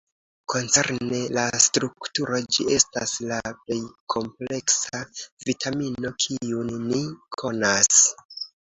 Koncerne la strukturo ĝi estas la plej kompleksa vitamino kiun ni konas.